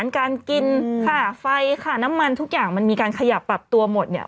การกินค่าไฟค่าน้ำมันทุกอย่างมันมีการขยับปรับตัวหมดเนี่ย